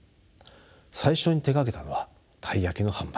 最初に手がけたのはたい焼きの販売